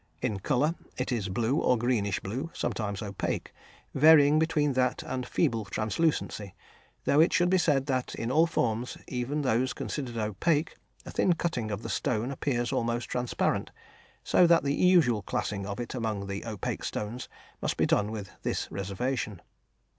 In colour it is blue or greenish blue, sometimes opaque, varying between that and feeble translucency, though it should be said that in all forms, even those considered opaque, a thin cutting of the stone appears almost transparent, so that the usual classing of it among the opaque stones must be done with this reservation.